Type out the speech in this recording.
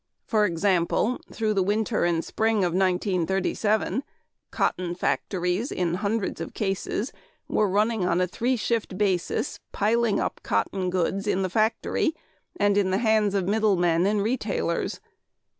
For example, through the winter and spring of 1937 cotton factories in hundreds of cases were running on a three shift basis, piling up cotton goods in the factory, and in the hands of middle men and retailers.